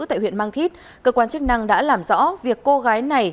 tại huyện mang thít cơ quan chức năng đã làm rõ việc cô gái này